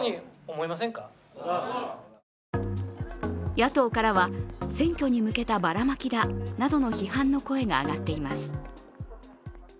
野党からは選挙に向けたばらまきだなどの批判の声が上がっています。